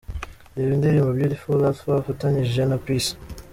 Reba indirimbo ’Beautifull" Alpha afatanyije na Peace.